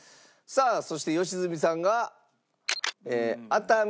さあそして良純さんが熱海。